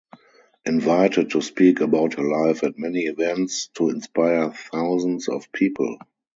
Invited to speak about her life at many events to inspire thousands of people.